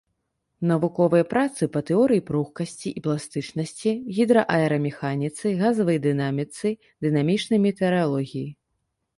Навуковыя працы па тэорыі пругкасці і пластычнасці, гідрааэрамеханіцы, газавай дынаміцы, дынамічнай метэаралогіі.